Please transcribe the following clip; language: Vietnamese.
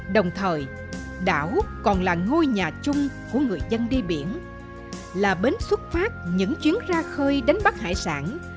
đồng thời đảo còn là ngôi nhà chung của người dân đi biển là bến xuất phát những chuyến ra khơi đánh bắt hải sản